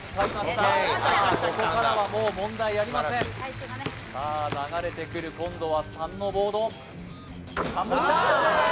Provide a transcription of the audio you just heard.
さあここからはもう問題ありませんさあ流れてくる今度は３のボード３できた